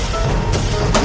bagus banget banget ya bun